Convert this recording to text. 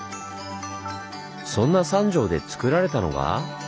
そんな三条でつくられたのが。